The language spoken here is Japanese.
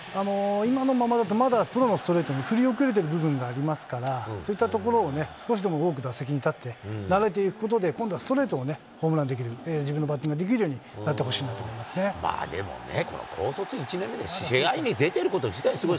今のままだと、まだプロのストレートに振り遅れてる部分がありますから、そういったところを少しでも多く打席に立って、慣れていくことで、今度はストレートをホームランにできるよう、自分のバッティングができるようでもね、高卒１年目で試合に出てること自体すごい。